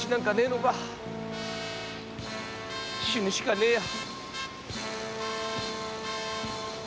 死ぬしかねえや。